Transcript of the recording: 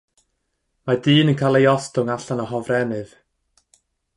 Mae dyn yn cael ei ostwng allan o hofrennydd.